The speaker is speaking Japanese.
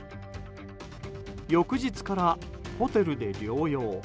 翌日からホテルで療養。